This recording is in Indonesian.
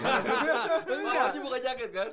pak marji buka jaket kan